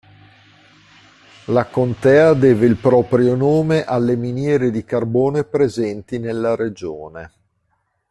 La contea deve il proprio nome alle miniere di carbone presenti nella regione.